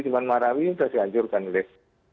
teman marawi sudah dihancurkan oleh